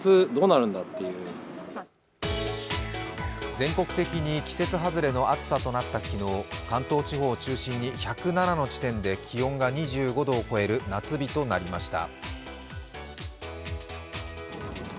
全国的に季節外れの暑さとなった昨日関東地方を中心に１０７の地点で気温が２５度を超える夏日となりました。